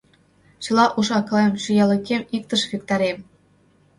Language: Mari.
Чыла уш-акылем, чоялыкем иктыш виктарем!»